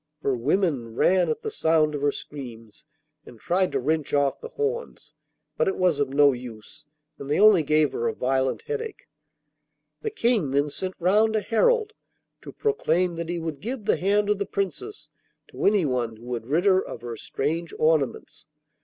Her women ran at the sound of her screams, and tried to wrench off the horns, but it was of no use, and they only gave her a violent headache. The King then sent round a herald to proclaim that he would give the hand of the Princess to anyone who would rid her of her strange ornaments.